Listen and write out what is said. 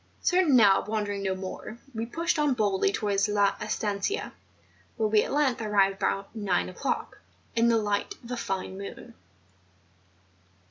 Certain now of wandering no more, we pushed on boldly towards La Estancia^ where we at length arrived about nine o'clock, in the light of a fine moon.